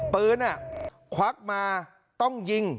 ปืนอะฮาคมาต้องยิง